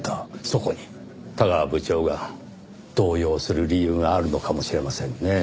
そこに田川部長が動揺する理由があるのかもしれませんねぇ。